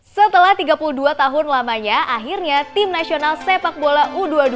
setelah tiga puluh dua tahun lamanya akhirnya tim nasional sepak bola u dua puluh dua